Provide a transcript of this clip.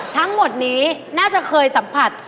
ทั้งหมดนี้น่าจะเคยสัมผัส